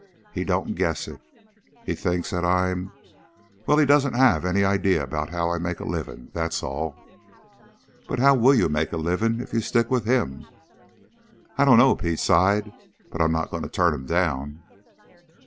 He don't guess it. He thinks that I'm well, he don't have any idea about how I make a living, that's all!" "But how will you make a living if you stick with him?" "I dunno," Pete sighed. "But I'm not going to turn him down."